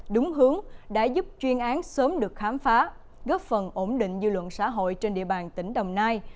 đúng hướng đã giúp chuyên án sớm được khám phá góp phần ổn định dư luận xã hội trên địa bàn tỉnh đồng nai